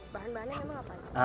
bahan bahannya memang apa